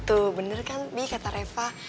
tuh bener kan mie kata reva